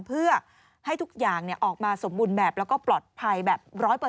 เพื่อให้ทุกอย่างออกมาสมบูรณ์แบบแล้วก็ปลอดภัยแบบ๑๐๐